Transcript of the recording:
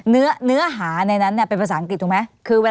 เนื้อหาในนั้นเป็นภาษาอังกฤษถูกไหม